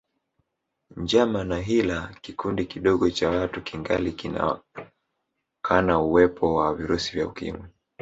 Njama na hila kikundi kidogo cha watu kingali kinakana uwep wa virusi vya Ukimwi